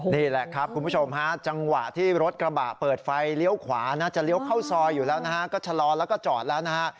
นี่แหละครับคุณผู้ชมฮะจังหวะที่รถกระบะเปิดไฟเลี้ยวขวานะจะเลี้ยวเข้าซอยอยู่แล้วนะฮะก็ชะลอแล้วก็จอดแล้วนะฮะ